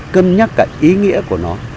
cân nhắc cả ý nghĩa của nó